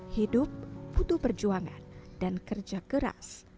hidup butuh perjuangan dan kerja keras